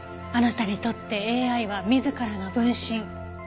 あなたにとってＡＩは自らの分身。